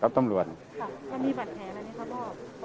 กับตำรวจกับตำรวจ